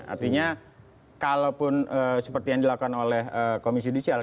artinya kalaupun seperti yang dilakukan oleh komisi judisial